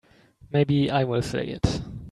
Maybe I will say it.